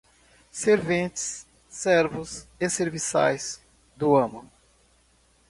Serventes, servos e serviçais do amo